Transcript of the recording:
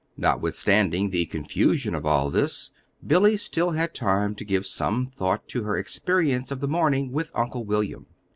Notwithstanding the confusion of all this, Billy still had time to give some thought to her experience of the morning with Uncle William.